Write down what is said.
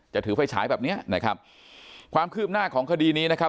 ถือไฟฉายแบบเนี้ยนะครับความคืบหน้าของคดีนี้นะครับ